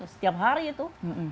setiap hari itu